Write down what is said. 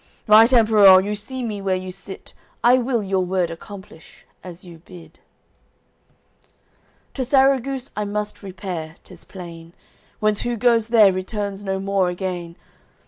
Right Emperour, you see me where you sit, I will your word accomplish, as you bid. AOI. XXIII "To Sarraguce I must repair, 'tis plain; Whence who goes there returns no more again.